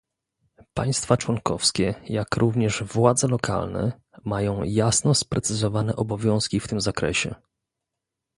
Państwa członkowskie, jak również władze lokalne, mają jasno sprecyzowane obowiązki w tym zakresie